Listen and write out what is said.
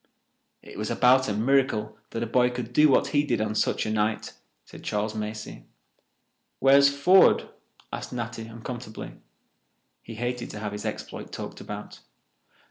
"It was about a miracle that a boy could do what he did on such a night," said Charles Macey. "Where's Ford?" asked Natty uncomfortably. He hated to have his exploit talked about.